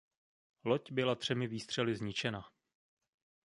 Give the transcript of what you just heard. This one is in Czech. Loď byla třemi výstřely zničena.